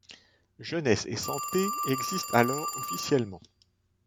Jeunesse & Santé existe alors officiellement.